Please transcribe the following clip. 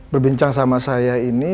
berbincang sama saya ini